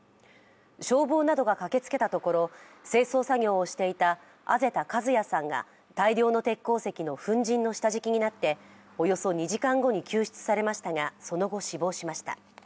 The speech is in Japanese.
消防などが駆けつけたところ、清掃作業をしていた畔田和也さんが大量の鉄鉱石の粉じんの下敷きになっておよそ２時間後に救出されましたがその後、死亡しました。